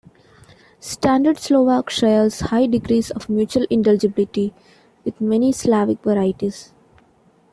Standard Slovak shares high degrees of mutual intelligibility with many Slavic varieties.